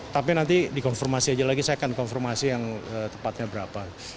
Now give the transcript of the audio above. tapi nanti dikonfirmasi aja lagi saya akan konfirmasi yang tepatnya berapa